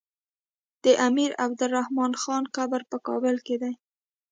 د امير عبدالرحمن خان قبر په کابل کی دی